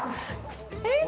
えっ？